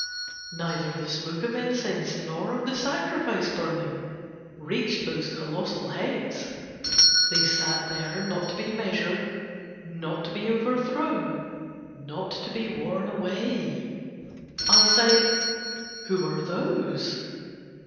Neither the smoke of incense nor of the sacrifice burning reached those colossal heads, they sat there not to be measured, not to be over thrown, not to be worn away. I said: "Who are those?"